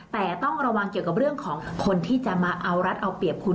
แต่ต้องระวังเกี่ยวกับเรื่องของคนที่จะมาเอารัฐเอาเปรียบคุณ